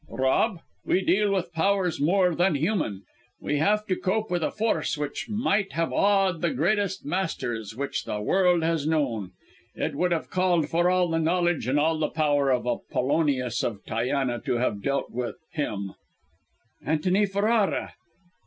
Rob, we deal with powers more than human! We have to cope with a force which might have awed the greatest Masters which the world has known. It would have called for all the knowledge, and all the power of Apollonius of Tyana to have dealt with him!" "Antony Ferrara!"